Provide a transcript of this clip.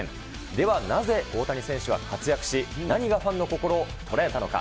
ではなぜ、大谷選手は活躍し、何がファンの心を捉えたのか。